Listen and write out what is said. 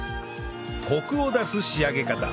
コクを出す仕上げ方